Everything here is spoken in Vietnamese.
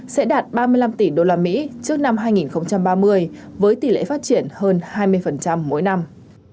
sẽ đạt ba mươi năm tỉ đô la mỹ trước năm hai nghìn ba mươi với tỷ lệ phát triển hơn hai mươi mỗi năm